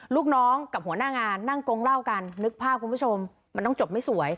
ลูกน้องกับหัวหน้างานนั่งกงเล่ากันนึกภาพคุณผู้ชมมันต้องจบไม่สวย